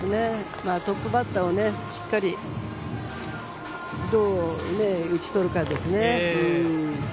トップバッターをしっかりどう打ち取るかですね。